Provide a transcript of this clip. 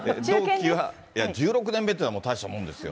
いや、１６年目っていうのは大したものですよ。